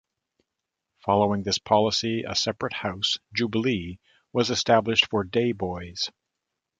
Following this policy, a separate house, Jubilee, was established for day boys.